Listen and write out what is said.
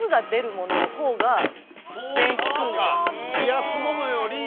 冷やすものより。